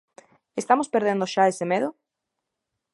Estamos perdendo xa ese medo?